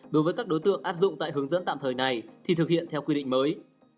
đối với các đối tượng áp dụng tại hướng dẫn tạm thời này thì thực hiện theo quy định mới